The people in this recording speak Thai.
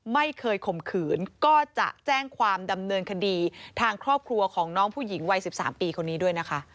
ข่มขืนก็จะแจ้งความดำเนินคดีทางครอบครัวของน้องผู้หญิงวัย๑๓ปีคนนี้ด้วยนะคะ